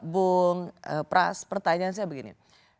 bung pras pertanyaan saya begini